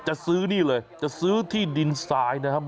จะซื้อนี่เลยจะซื้อที่ดินทรายนะครับ